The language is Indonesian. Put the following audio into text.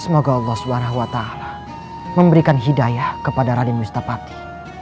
semoga allah subhanahu wa ta'ala memberikan hidayah kepada raden wistapati